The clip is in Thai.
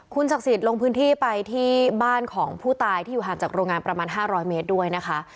ศักดิ์สิทธิ์ลงพื้นที่ไปที่บ้านของผู้ตายที่อยู่ห่างจากโรงงานประมาณ๕๐๐เมตรด้วยนะคะ